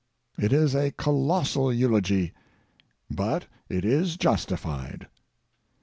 It is a colossal eulogy, but it is justified.